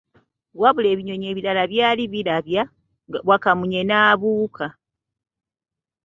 Wabula ebinyonyi ebirala byali birabya, Wakamunye n'abuuka.